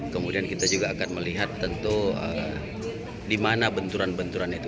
kemudian kita juga akan melihat tentu di mana benturan benturan itu